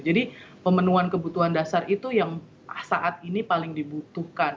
jadi pemenuhan kebutuhan dasar itu yang saat ini paling dibutuhkan